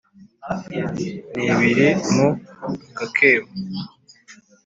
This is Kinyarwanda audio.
n’ibiri mu aka kebo